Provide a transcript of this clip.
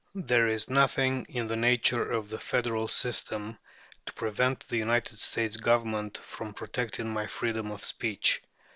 There is nothing in the nature of the federal system to prevent the United States Government from protecting my freedom of speech.